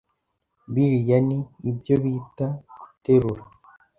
biriya ni ibyo bita guterura